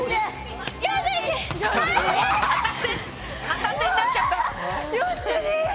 片手になっちゃった。